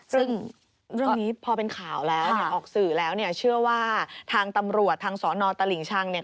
ซึ่งเรื่องนี้พอเป็นข่าวแล้วเนี่ยออกสื่อแล้วเนี่ยเชื่อว่าทางตำรวจทางสอนอตลิ่งชังเนี่ย